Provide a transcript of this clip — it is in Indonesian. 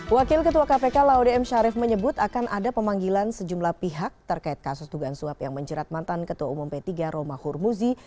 wakil ketua kpk laude m syarif menyebut akan ada pemanggilan sejumlah pihak terkait kasus dugaan suap yang menjerat mantan ketua umum p tiga roma hurmuzi